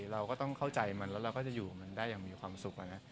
เราก็ต้องเข้าใจมันแล้วเราก็จะอยู่กับมันได้อย่างมีความสุข